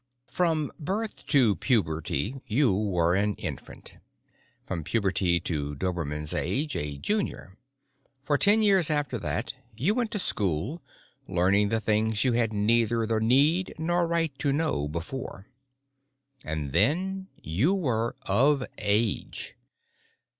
6 FROM birth to puberty you were an infant. From puberty to Dobermann's age, a junior. For ten years after that you went to school, learning the things you had neither the need nor the right to know before. And then you were Of Age.